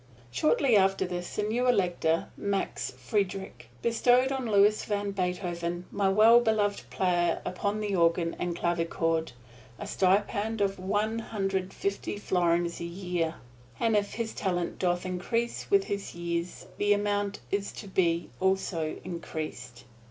Shortly after this, the new Elector, Max Friedrich, bestowed on "Louis van Beethoven, my well beloved player upon the organ and clavichord, a stipend of one hundred fifty florins a year, and if his talent doth increase with his years the amount is to be also increased."